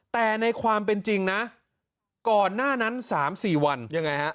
แต่ในความเป็นจริงนะก่อนหน้านั้น๓๔วันยังไงฮะ